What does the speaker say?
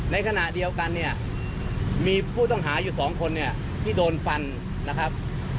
ในขณะเดียวกันเนี่ยมีผู้ต้องหาอยู่สองคนเนี่ยที่โดนฟันนะครับ